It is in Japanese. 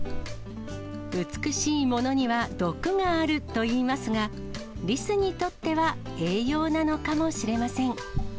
美しいものには毒があるといいますが、リスにとっては栄養なのかもしれません。